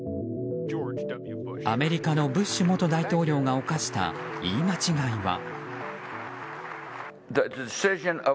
アメリカのブッシュ元大統領が犯した言い間違いは。